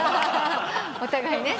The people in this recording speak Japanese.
お互いね。